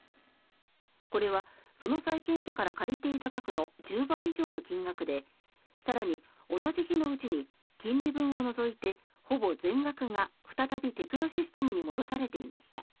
これはその債権者から借りていた額の１０倍以上の金額で更に同じ日のうちに金利分を除いてほぼ全額が再びテクノシステムに戻されていました。